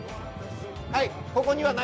はい。